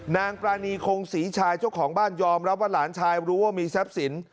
นางปรานีคงศรีชายเจ้าของบ้านยอมรับว่าหลานชายรู้ว่ามีทรัพย์สิน